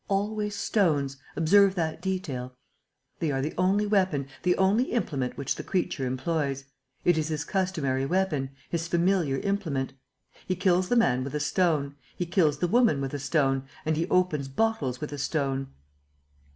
Always stones: observe that detail. They are the only weapon, the only implement which the creature employs. It is his customary weapon, his familiar implement. He kills the man with a stone, he kills the woman with a stone and he opens bottles with a stone!